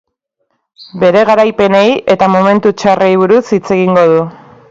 Bere garaipenei eta momentu txarrei buruz hitz egingo du.